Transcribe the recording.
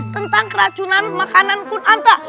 tentang keracunan makanan kunanta